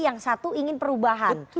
yang satu ingin perubahan